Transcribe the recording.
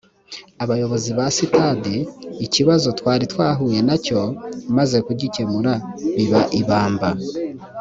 abayobozi ba sitade ikibazo twari twahuye na cyo maze kugikemura biba ibamba